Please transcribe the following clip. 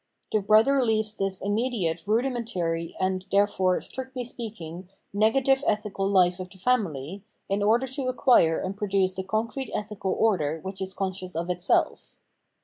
The brother leaves this immediate, rudimentary, and, there fore, strictly speaking, negative ethical life of the family, in order to acquire and produce the concrete ethical order which is conscious of itself.